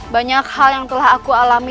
banyak hal yang telah aku alami